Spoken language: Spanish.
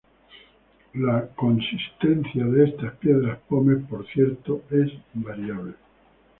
La consistencia de estas piedras pómez por cierto es variable.